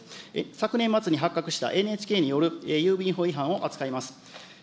昨年末に発覚したＮＨＫによる郵便法違反を扱います。